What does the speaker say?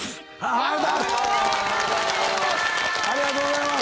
おめでとうございます。